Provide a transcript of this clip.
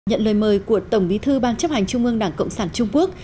nhận lời mời của tổng bí thư ban chấp hành trung ương đảng cộng sản trung quốc